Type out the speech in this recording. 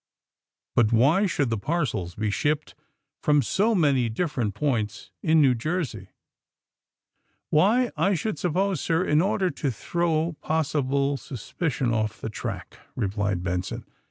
*^But why should the parcels be shipped from so many different points in New Jersey ?''' *^Why, I should suppose, sir, in order to throw possible suspicion off the track," replied Ben son.